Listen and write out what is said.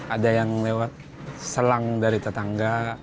ada yang lewat selang dari tetangga